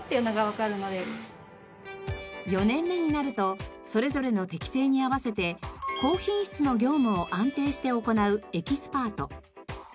４年目になるとそれぞれの適性に合わせて高品質の業務を安定して行うエキスパート。